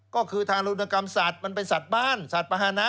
ก็คือทารุณกรรมสัตว์มันเป็นสัตว์บ้านสัตว์ประหนะ